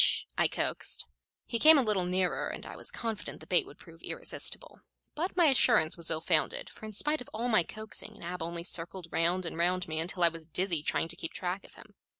I coaxed. He came a little nearer, and I was confident the bait would prove irresistible. But my assurance was ill founded, for in spite of all my coaxing, Nab only circled round and round me until I was dizzy trying to keep track of him.